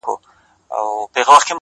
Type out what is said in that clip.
مخامخ وتراشل سوي بت ته ناست دی!